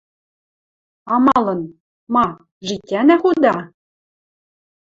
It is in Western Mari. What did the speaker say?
А малын? Ма, житяна худа?